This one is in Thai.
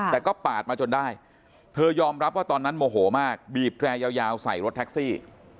แต่ก็ปาดมาจนได้เธอยอมรับว่าตอนนั้นโมโหมากบีบแรยาวใส่รถแท็กซี่